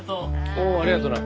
おおありがとうな。